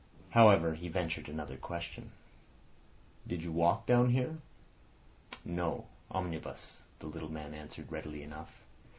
However, he ventured another question. "Did you walk down here?" "No; omnibus," the little man answered readily enough.